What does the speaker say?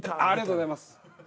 ありがとうございます。